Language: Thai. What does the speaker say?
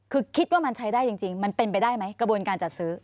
คือคิดว่ามันใช้ได้จริงมันเป็นไปได้ไหมกระบวนการจัดซื้อ